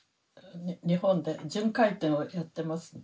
日本で巡回展をやってますので。